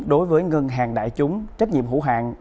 đối với ngân hàng đại chúng trách nhiệm hữu hạng